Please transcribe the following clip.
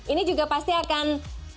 ini juga pasti akan